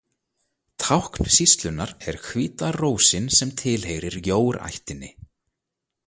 Tákn sýslunnar er hvíta rósin sem tilheyrir Jór-ættinni.